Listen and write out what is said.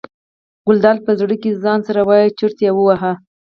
ګلداد په زړه کې ځان سره وایي چورت یې وواهه.